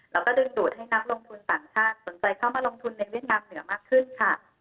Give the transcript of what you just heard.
แล้วก็ดึงดูดให้นักลงทุนต่างชาติสนใจเข้ามาลงทุนในเวียดนามเหนือมากขึ้นค่ะ